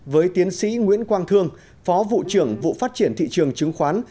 với tiến sĩ nguyễn quang thương phó vụ trưởng vụ phát triển thị trường chứng khoán